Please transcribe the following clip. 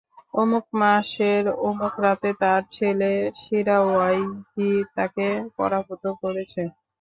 অমুক মাসের অমুক রাতে তার ছেলে শিরাওয়াইহি তাকে পরাভূত করেছে।